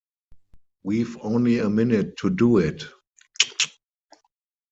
We’ve only a minute to do it.